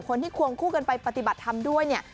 คนที่ควงคู่กันไปปฏิบัติทำด้วย